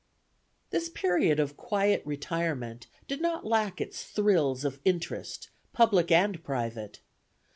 This period of quiet retirement did not lack its thrills of interest, public and private.